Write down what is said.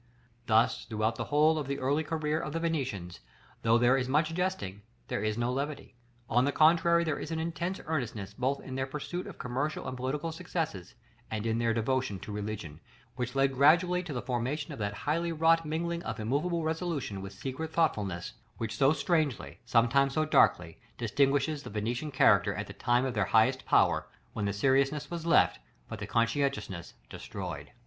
Thus, throughout the whole of the early career of the Venetians, though there is much jesting, there is no levity; on the contrary there is an intense earnestness both in their pursuit of commercial and political successes, and in their devotion to religion, which led gradually to the formation of that highly wrought mingling of immovable resolution with secret thoughtfulness, which so strangely, sometimes so darkly, distinguishes the Venetian character at the time of their highest power, when the seriousness was left, but the conscientiousness destroyed.